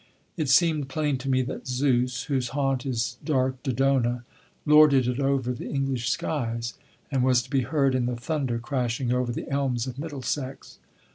It seemed plain to me that Zeus, whose haunt is dark Dodona, lorded it over the English skies and was to be heard in the thunder crashing over the elms of Middlesex.